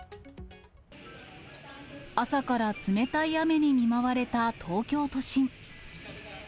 朝から冷たい雨に見舞われた東京都心。